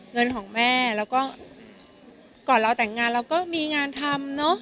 เงินของแม่แล้วก็ก่อนเราแต่งงานเราก็มีงานทำเนอะ